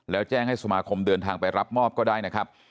แล้วแจ้งให้สมาคมเดินทางไปรับมอบก็ได้นะครับ